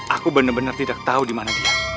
aku benar benar tidak tahu dimana dia